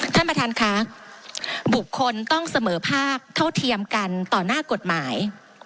ท่านประธานค่ะบุคคลต้องเสมอภาคเท่าเทียมกันต่อหน้ากฎหมาย